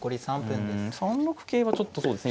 うん３六桂はちょっとそうですね